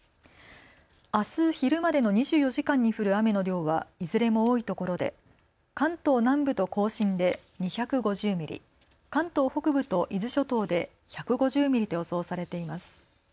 あす昼までの２４時間に降る雨の量はいずれも多いところで関東南部と甲信で２５０ミリ、関東北部と伊豆諸島で１５０ミリと予想されています。